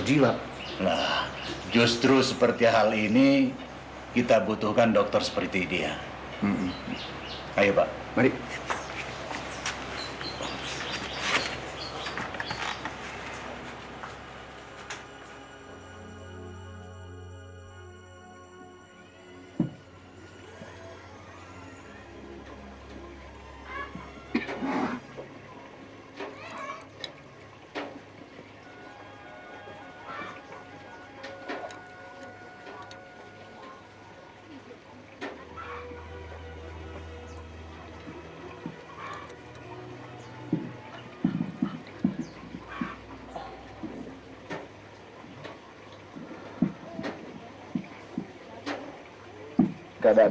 jangan lupa pak